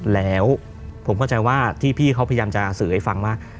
แล้วผมเข้าใจว่าที่พี่เขาพยายามจะสื่อให้ฟังว่า